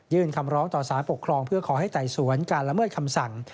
คำร้องต่อสารปกครองเพื่อขอให้ไต่สวนการละเมิดคำสั่ง